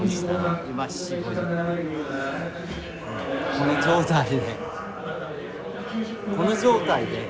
この状態で。